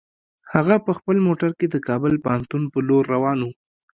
هغه په خپل موټر کې د کابل پوهنتون په لور روان و.